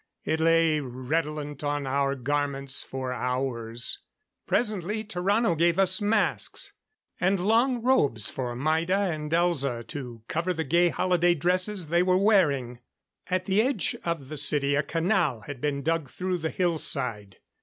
It lay redolent on our garments for hours. Presently Tarrano gave us masks. And long robes for Maida and Elza to cover the gay holiday dresses they were wearing. At the edge of the city a canal had been dug through the hillside.